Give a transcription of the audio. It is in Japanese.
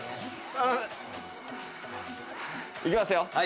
行きますよ。